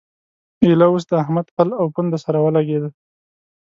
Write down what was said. ايله اوس د احمد پل او پونده سره ولګېده.